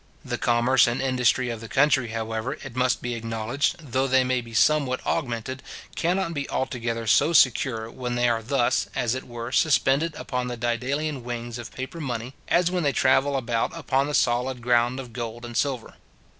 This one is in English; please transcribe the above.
The commerce and industry of the country, however, it must be acknowledged, though they may be somewhat augmented, cannot be altogether so secure, when they are thus, as it were, suspended upon the Daedalian wings of paper money, as when they travel about upon the solid ground of gold and silver.